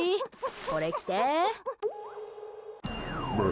これ着て。